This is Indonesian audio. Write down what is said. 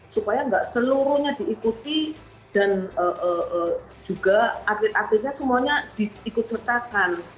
supaya nggak seluruhnya diikuti dan juga atlet atletnya semuanya diikut sertakan